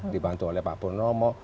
dibantu oleh pak purnomo